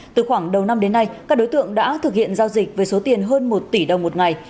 từ khoảng đầu năm đến nay các đối tượng đã thực hiện giao dịch với số tiền hơn một tỷ đồng một ngày